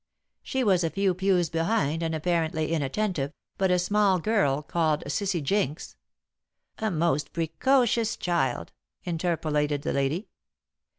"She was a few pews behind, and apparently inattentive, but a small girl called Cissy Jinks " "A most precocious child," interpolated the lady.